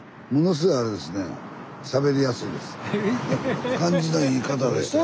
スタジオ感じのいい方でしたよ。